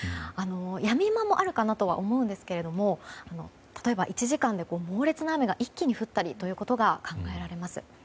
やみ間もあるかなと思うんですが例えば１時間で猛烈な雨が一気に降ったりといったことが考えられます。